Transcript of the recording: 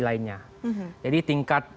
lainnya jadi tingkat